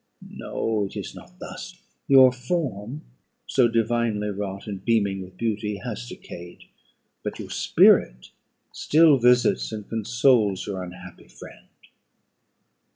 No, it is not thus; your form so divinely wrought, and beaming with beauty, has decayed, but your spirit still visits and consoles your unhappy friend.